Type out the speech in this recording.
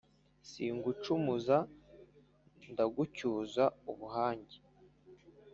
Singucumuza ndagucyuza ubuhange,